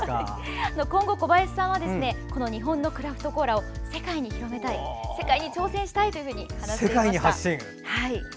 今後、小林さんはこの日本のクラフトコーラを世界に広めたい世界に挑戦したいと話していました。